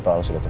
saya mau balas